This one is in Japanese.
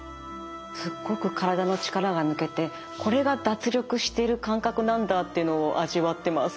すっごく体の力が抜けてこれが脱力してる感覚なんだっていうのを味わってます。